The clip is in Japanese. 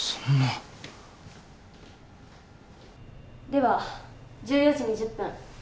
では１４時２０分